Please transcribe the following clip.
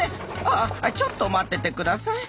あちょっと待っててください。